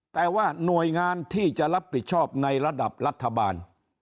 แต่ว่าหน่วยงานที่จะรับผิดชอบในระดับรัฐบาล